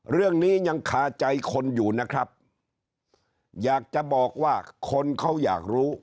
เรื่องนี้ยังคาใจคนอยู่นะครับอยากจะบอกว่าคนเขาอยากรู้